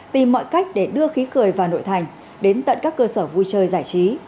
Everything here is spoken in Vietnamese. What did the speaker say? tìm mọi cách để đưa khí cười vào nội thành đến tận các cơ sở vui chơi giải trí